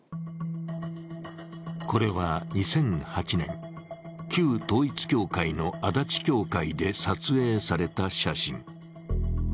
これは２００８年、旧統一教会の足立教会で撮影された写真。